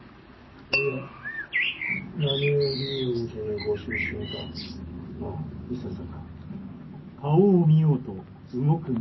・いやなにゆえ龍雲寺にご執心かまあいささか。